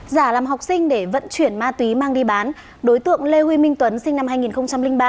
giả làm học sinh để vận chuyển ma túy mang đi bán đối tượng lê huy minh tuấn sinh năm hai nghìn ba